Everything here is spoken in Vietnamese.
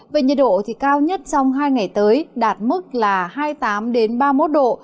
về nhiệt độ cao nhất trong hai ngày tới đạt mức là hai mươi tám ba mươi một độ